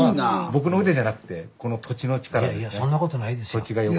僕の腕じゃなくていやいやそんなことないですよ。